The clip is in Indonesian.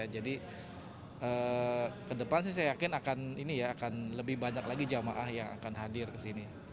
jadi ke depan saya yakin akan lebih banyak lagi jemaah yang akan hadir ke sini